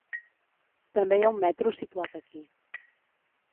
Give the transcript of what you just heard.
També hi ha un metro situat aquí.